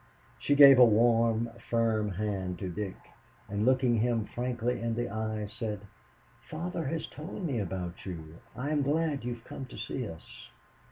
She gave a warm, firm hand to Dick, and looking him frankly in the eye, said: "Father has told me about you. I am glad you have come to see us."